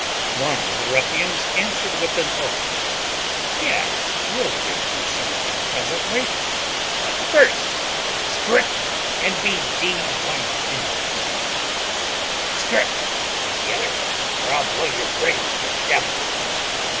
One of the ruffians answered with an oath, "Yes, we'll give you something presently: but first strip and be d n'd to you." "Strip," cried the other, "or I'll blow your brains to the devil."